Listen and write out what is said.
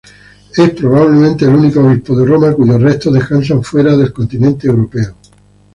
Es probablemente el único obispo de Roma cuyos restos descansan fuera del continente europeo.